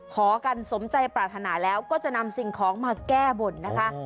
ขอกันสมใจปรารถนาแล้วก็จะนำสิ่งของมาแก้บนนะคะ